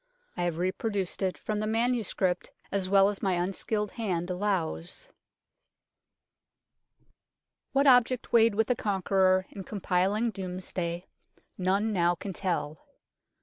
I have reproduced it from the manuscript as well as my unskilled hand allows f / r /torn 7 v W fui aa in a n 2En<h?r What object weighed with the Conqueror in compiling Domesday none now can tell.